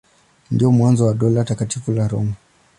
Ndio mwanzo wa Dola Takatifu la Roma.